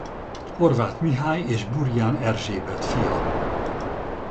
Horváth Mihály és Burján Erzsébet fia.